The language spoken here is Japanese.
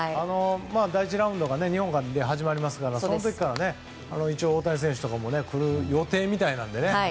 第１ラウンドが日本で始まりますからその時から一応、大谷選手も来る予定みたいなのでね。